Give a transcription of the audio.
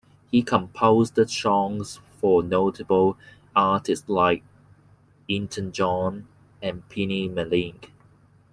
He composed songs for notable artists like Elton John and Penny McLean.